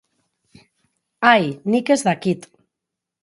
Ai, nik ez dakit.